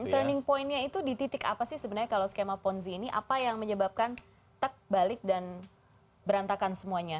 turning pointnya itu di titik apa sih sebenarnya kalau skema ponzi ini apa yang menyebabkan tak balik dan berantakan semuanya